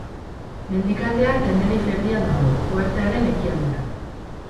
Mendikatea Tenerife erdian dago, uhartearen ekialdera.